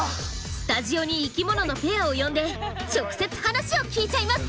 スタジオに生きもののペアを呼んで直接話を聞いちゃいます！